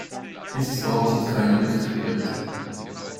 Dieses Fahrrad hat keine Rücktrittbremse.